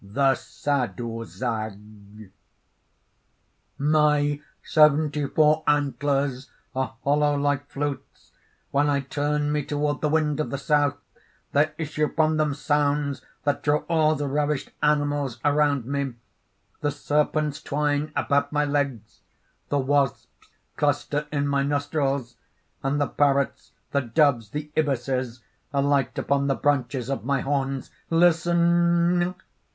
_) THE SADHUZAG: "My seventy four antlers are hollow like flutes. "When I turn me toward the wind of the South, there issue from them sounds that draw all the ravished animals around me. The serpents twine about my legs; the wasps cluster in my nostrils; and the parrots, the doves, the ibises, alight upon the branches of my horns. "Listen!"